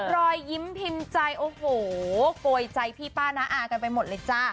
รอยยิ้มพิมพ์ใจโอ้โหโกยใจพี่ป้าน้าอากันไปหมดเลยจ้า